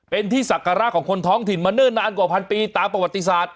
เป็นที่ศักระของคนท้องถิ่นมาเนิ่นนานกว่าพันปีตามประวัติศาสตร์